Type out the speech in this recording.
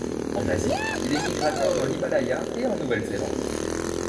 En Asie il est migrateur dans l'Himalaya et en Nouvelle-Zélande.